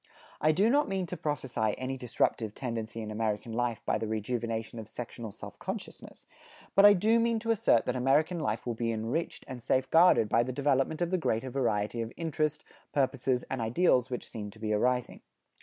I do not mean to prophesy any disruptive tendency in American life by the rejuvenation of sectional self consciousness; but I do mean to assert that American life will be enriched and safe guarded by the development of the greater variety of interest, purposes and ideals which seem to be arising.